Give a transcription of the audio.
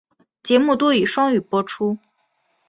节目多以双语播出。